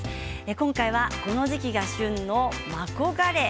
今回は、この時期が旬のマコガレイ。